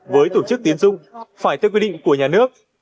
với tổ chức tiến dung phải theo quy định của nhà nước